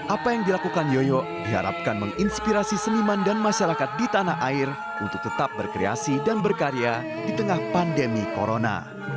apa yang dilakukan yoyo diharapkan menginspirasi seniman dan masyarakat di tanah air untuk tetap berkreasi dan berkarya di tengah pandemi corona